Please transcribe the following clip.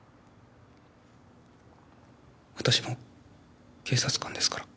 私も警察官ですから。